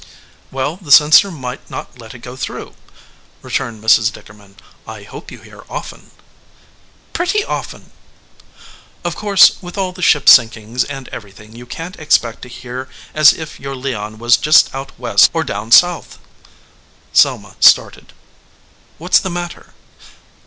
"Well, the censor might not let it go through," returned Mrs. Dickerman. "I hope you hear often." "Pretty often." "Of course, with all the ship sinkings and everything you can t expect to hear as if your Leon was just out West or down South." Selma started. "What s the matter?"